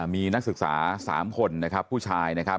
มีนักศึกษา๓คนนะครับผู้ชายนะครับ